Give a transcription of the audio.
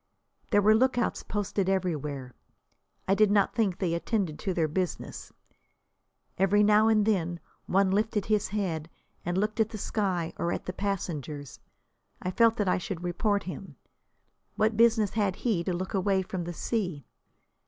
There were lookouts posted everywhere. I did not think they attended to their business. Every now and then one lifted his head and looked at the sky or at the passengers. I felt that I should report him. What business had he to look away from the sea?